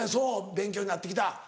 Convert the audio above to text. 勉強になってきた？